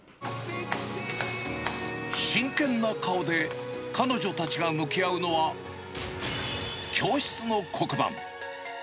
真剣な顔で、彼女たちが向き合うのは、教室の黒板。